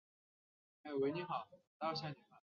次年改任泰宁镇总兵。